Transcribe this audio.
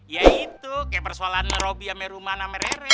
ya itu kayak persoalan robi sama rumana sama rere